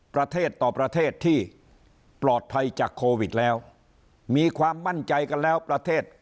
ประเทศต่อประเทศที่ปลอดภัยจากโควิดแล้วมีความมั่นใจกันแล้วประเทศ